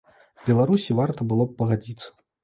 Беларусі варта было б пагадзіцца.